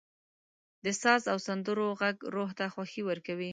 • د ساز او سندرو ږغ روح ته خوښي ورکوي.